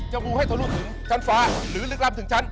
มูให้ทะลุถึงชั้นฟ้าหรือลึกลับถึงชั้น